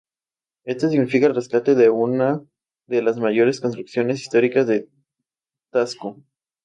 Esto significó el rescate de uno de las mayores construcciones históricas de Taxco.